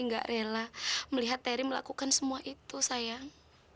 nggak rela melihat terry melakukan semua itu sayang